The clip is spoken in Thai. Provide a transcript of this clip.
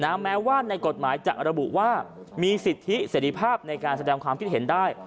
แม้ว่าในกฎหมายจะระบุว่ามีสิทธิเสร็จภาพในการแสดงความคิดเห็นได้